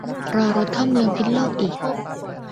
รอรถเข้าเมืองพิดโลกอีก